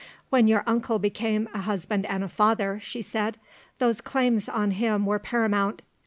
"When your uncle became a husband and a father," she said, "those claims on him were paramount.